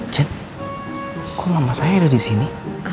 jen kok mama saya ada di sini